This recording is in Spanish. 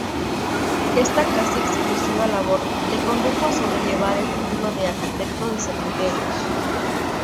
Esta casi exclusiva labor le condujo a sobrellevar el título de "arquitecto de cementerios".